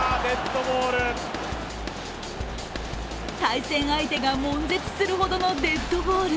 対戦相手がもん絶するほどのデッドボール。